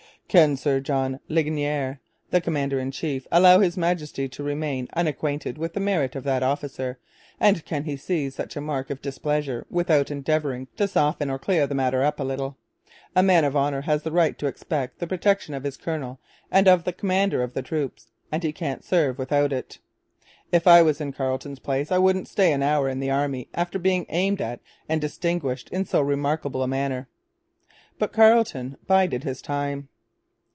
'Can Sir John Ligonier (the commander in chief) allow His Majesty to remain unacquainted with the merit of that officer, and can he see such a mark of displeasure without endeavouring to soften or clear the matter up a little? A man of honour has the right to expect the protection of his Colonel and of the Commander of the troops, and he can't serve without it. If I was in Carleton's place I wouldn't stay an hour in the Army after being aimed at and distinguished in so remarkable a manner.' But Carleton bided his time.